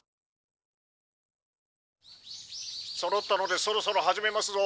「そろったのでそろそろ始めますぞ」。